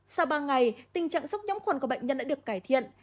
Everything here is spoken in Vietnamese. sau ba ngày tình trạng sốc nhiễm khuẩn của bệnh nhân đã được cải thiện